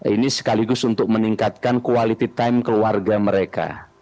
ini sekaligus untuk meningkatkan quality time keluarga mereka